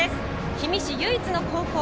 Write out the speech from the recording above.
氷見市唯一の高校。